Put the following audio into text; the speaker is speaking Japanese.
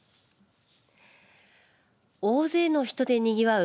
大勢の人でにぎわう